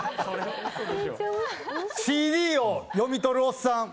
ＣＤを読みとるおっさん。